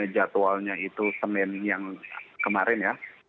jadwalnya itu senin yang kemarin ya